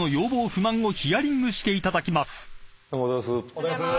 どうもおはようございます。